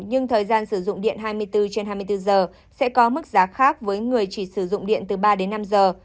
nhưng thời gian sử dụng điện hai mươi bốn trên hai mươi bốn giờ sẽ có mức giá khác với người chỉ sử dụng điện từ ba đến năm giờ